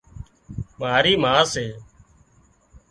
ماري ما سي